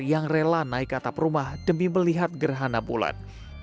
yang rela naik ke atap rumah demi melihat gerhana bulan